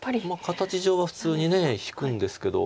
形上は普通に引くんですけど。